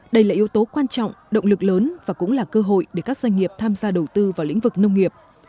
đây là yếu tố quan trọng động lực lớn và cũng là cơ hội để các doanh nghiệp tham gia đầu tư vào lĩnh vực nông nghiệp